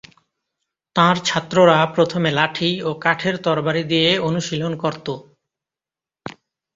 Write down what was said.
তাঁর ছাত্ররা প্রথমে লাঠি ও কাঠের তরবারি দিয়ে অনুশীলন করত।